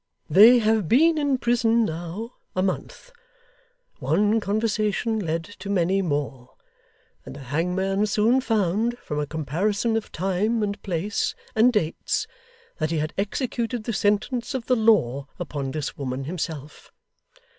'They have been in prison now, a month. One conversation led to many more; and the hangman soon found, from a comparison of time, and place, and dates, that he had executed the sentence of the law upon this woman, himself.